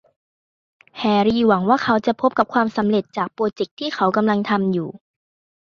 แฮรรี่หวังว่าเขาจะพบกับความสำเร็จจากโปรเจคที่เขากำลังทำอยู่